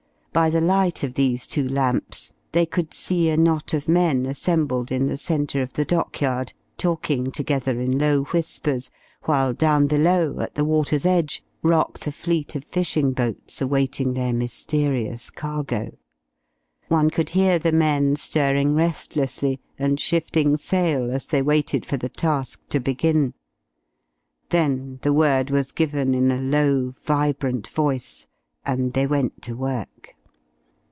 By the light of these two lamps they could see a knot of men assembled in the centre of the dockyard, talking together in low whispers, while down below, at the water's edge, rocked a fleet of fishing boats awaiting their mysterious cargo. One could hear the men stirring restlessly and shifting sail as they waited for the task to begin. Then the word was given in a low, vibrant voice, and they went to work.